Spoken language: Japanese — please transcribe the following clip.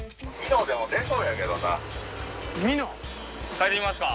変えてみますか？